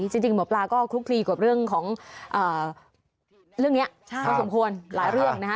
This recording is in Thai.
จริงหมอปลาก็คลุกคลีกับเรื่องของเรื่องนี้พอสมควรหลายเรื่องนะฮะ